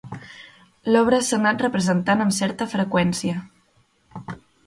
L'obra s'ha anat representant amb certa freqüència.